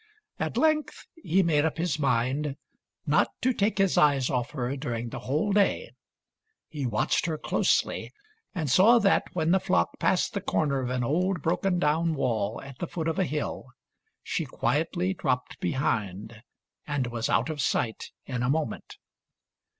At length he made up his mind not to take his eyes off her during the whole day. He watched her closely and saw that, when the flock passed the corner of an old PETER KLAUS THE GOATHERD 227 broken down wall at the foot of a hill, she quietly dropped behind and was out of sight in a moment.